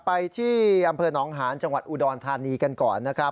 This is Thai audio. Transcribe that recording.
ไปที่อำเภอหนองหานจังหวัดอุดรธานีกันก่อนนะครับ